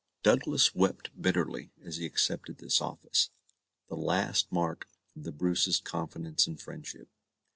Douglas wept bitterly as he accepted this office the last mark of the Brace's confidence and friendship.